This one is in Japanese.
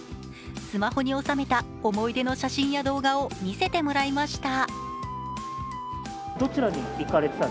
スマホに収めた思い出の写真や動画を見せてもらいました。